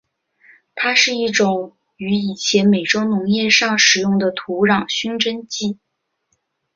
它是一种于以前美洲农业上使用的土壤熏蒸剂。